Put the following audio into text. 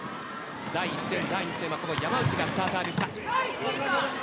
第１戦と第２戦は山内がスターターでした。